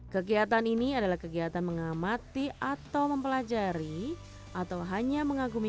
kegiatan ini adalah kegiatan mengamati atau menghapus